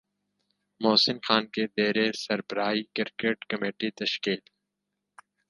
محسن خان کی زیر سربراہی کرکٹ کمیٹی تشکیل